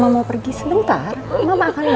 mama mau pergi sebentar mama akan balik kok